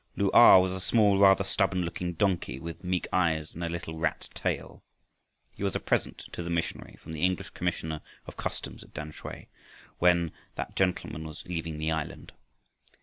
Lu a was a small, rather stubborn looking donkey with meek eyes and a little rat tail. He was a present to the missionary from the English commissioner of customs at Tamsui, when that gentleman was leaving the island.